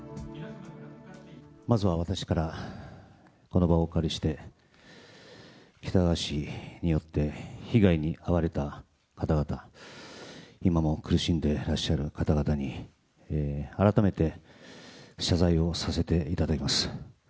まずは私から、この場をお借りして、喜多川氏によって被害に遭われた方々、今も苦しんでらっしゃる方々に、改めて謝罪をさせていただきます。